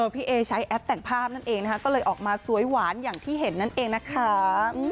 พี่เอใช้แอปแต่งภาพนั่นเองนะคะก็เลยออกมาสวยหวานอย่างที่เห็นนั่นเองนะคะ